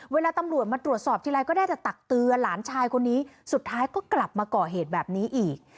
เวลาตำรวจมาตรวจสอบทีไรก็น่าจะตักเตือนหลานชายคนนี้สุดท้ายก็กลับมาก่อเหตุแบบนี้อีก